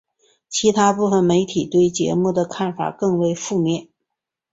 其它部分媒体对节目的看法更为负面。